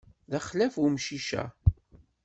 D axlaf umcic-a.